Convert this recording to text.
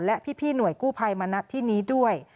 และพี่หน่วยกู้ภัยมาณที่นี้ด้วย